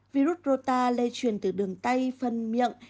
virus rô ta lây truyền từ đường tay phân miệng